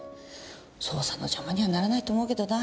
捜査の邪魔にはならないと思うけどな。